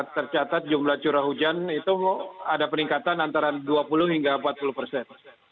tercatat jumlah curah hujan itu ada peningkatan antara dua puluh hingga empat puluh persen